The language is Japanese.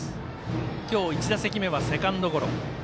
今日１打席目はセカンドゴロ。